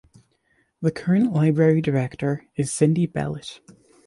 The current library director is Cindy Bellot.